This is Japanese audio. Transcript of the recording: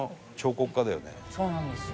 そうなんですよ。